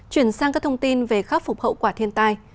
chuyển sang các thông tin về khắc phục hậu quả thiên tai